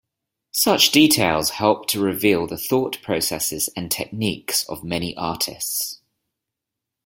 Such details help to reveal the thought processes and techniques of many artists.